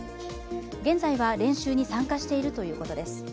現在は練習に参加しているということです。